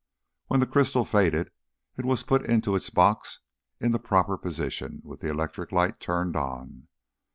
When the crystal faded, it was put into its box in the proper position and the electric light turned on.